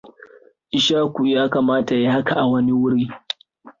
Ishaku yakamata ya yi hakan a wani wuri.